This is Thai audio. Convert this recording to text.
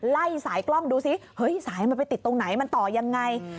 ไล่สายกล้องดูซิเฮ้ยสายมันไปติดตรงไหนมันต่อยังไง